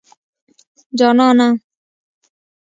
جانانه